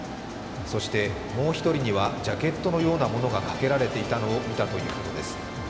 そして、もう１人には、ジャケットのようなものがかけられていたのを見たということです。